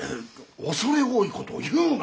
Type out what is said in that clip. おそれ多いことを言うな！